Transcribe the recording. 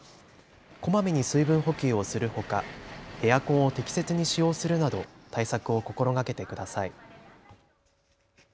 こまめに水分補給をするほかエアコンを適切に使用するなど対策を心がけてください。